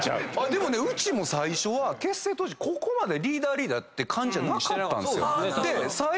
でもねうちも最初は結成当時ここまでリーダーリーダーって感じじゃなかったんすよ。